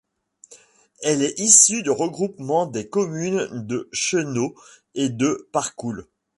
Elle est issue du regroupement des deux communes de Chenaud et de Parcoul.